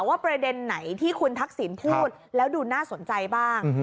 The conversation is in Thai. ว่าประเด็นไหนที่คุณทักษิณพูดแล้วดูน่าสนใจบ้าง